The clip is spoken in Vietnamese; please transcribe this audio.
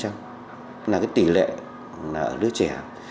là cái tỷ lệ là đứa trẻ